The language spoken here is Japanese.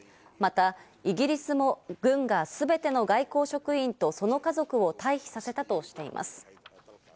またイギリスも軍がすべての外交職員とその家族を退避させたとしています。